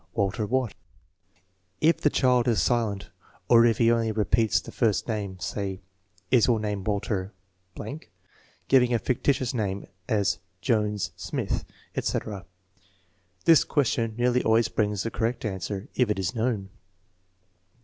Walter what ?" If the child is silent, or if he only repeats the first name, say: " Is your name Walter ... t" (giving a fictitious name, as Jones, Smith, etc.). This question nearly always brings the correct answer if it is known.